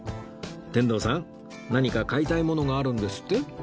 天童さん何か買いたいものがあるんですって？